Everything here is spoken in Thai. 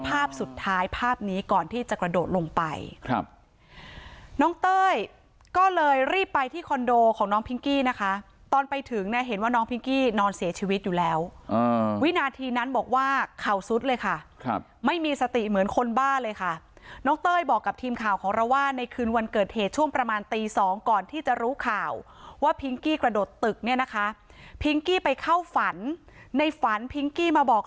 ภาพสุดท้ายภาพนี้ก่อนที่จะกระโดดลงไปครับน้องเต้ยก็เลยรีบไปที่คอนโดของน้องพิงกี้นะคะตอนไปถึงเนี่ยเห็นว่าน้องพิงกี้นอนเสียชีวิตอยู่แล้ววินาทีนั้นบอกว่าเข่าสุดเลยค่ะครับไม่มีสติเหมือนคนบ้าเลยค่ะน้องเต้ยบอกกับทีมข่าวของเราว่าในคืนวันเกิดเหตุช่วงประมาณตีสองก่อนที่จะรู้ข่าวว่าพิงกี้กระโดดตึกเนี่ยนะคะพิงกี้ไปเข้าฝันในฝันพิงกี้มาบอก